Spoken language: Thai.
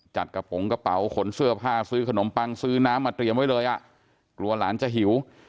จัดกระโปรงกระเป๋าขนเสื้อผ้าซื้อขนมปังซื้อน้ำมาเตรียมไว้เลยอ่ะกลัวหลานจะหิว